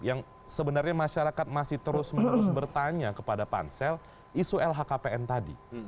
yang sebenarnya masyarakat masih terus menerus bertanya kepada pansel isu lhkpn tadi